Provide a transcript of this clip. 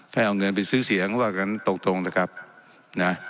ให้เอาเงินไปซื้อเสียงว่างั้นตรงตรงนะครับนะ